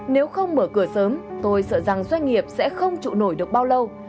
nếu không mở cửa sớm tôi sợ rằng doanh nghiệp sẽ không trụ nổi được bao lâu